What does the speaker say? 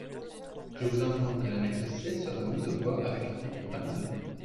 Je vous informe que l’annexe C sera mise aux voix avec l’article vingt-deux.